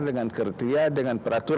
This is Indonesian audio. dengan keretia dengan perhatian